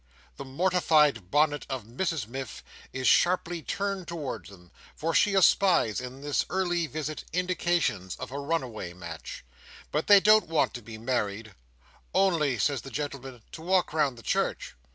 The mortified bonnet of Mrs Miff is sharply turned towards them, for she espies in this early visit indications of a runaway match. But they don't want to be married—"Only," says the gentleman, "to walk round the church."